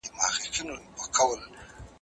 هغوی د خپلو موخو لپاره ژمنتیا ښيي.